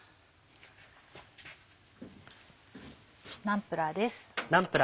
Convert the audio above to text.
ナンプラーです。